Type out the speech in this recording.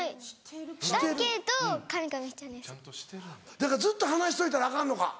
だからずっと放しといたらアカンのか？